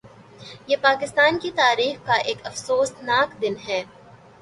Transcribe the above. یہ پاکستان کی تاریخ کا ایک افسوسناک دن ہے